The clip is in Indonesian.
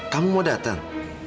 kamu mau datang